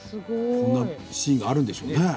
こんなシーンがあるんでしょうね。